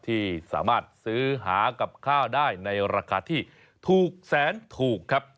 ที่สามารถซื้อหากับข้าวได้ในราคาที่ถูกแสนถูกครับ